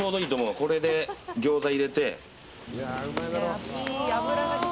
これで餃子入れて。